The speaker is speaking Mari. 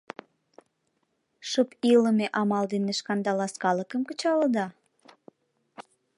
Шып илыме амал дене шканда ласкалыкым кычалыда?